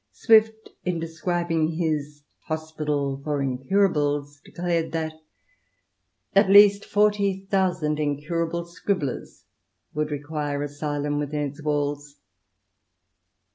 Swift, in describing his " Hospital for Incurables," declared that "at least forty thousand incurable scribblers " would require asylum within its walls.